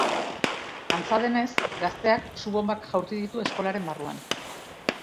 Antza denez, gazteak su-bonbak jaurti ditu eskolaren barruan.